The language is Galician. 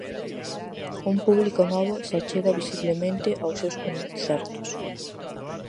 Un público novo se achega visiblemente aos seus concertos.